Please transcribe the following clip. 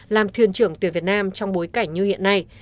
làm thuyền trưởng tuyển việt nam trong bối cảnh như hiện nay